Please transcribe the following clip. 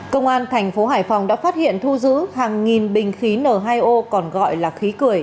công an thành phố hải phòng đã phát hiện thu giữ hàng nghìn bình khí n hai o còn gọi là khí cười